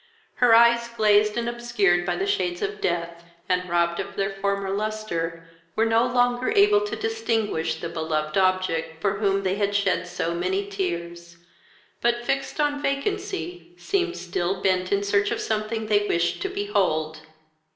Her eyes, glazed and obscured by the shades of death, and robbed of their former lustre, were no longer able to distinguish the beloved object for whom they shed so many tears, but, fixed on vacancy, seemed still bent in search of something they wished to behold.